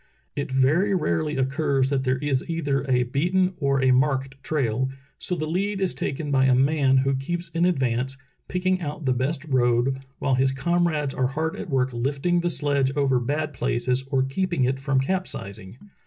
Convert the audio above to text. It very rarely occurs that there is either a beaten or a marked trail, so the lead is taken by a man who keeps in advance, picking out the best road, while his comrades are hard at work lifting the sledge over bad places or keeping it from capsizing.